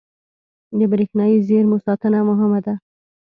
• د برېښنايي زېرمو ساتنه مهمه ده.